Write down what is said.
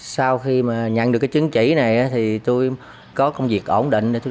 sau khi mà nhận được cái chứng chỉ này thì tôi có công việc ổn định